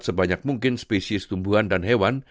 sebanyak mungkin spesies tumbuhan dan hewan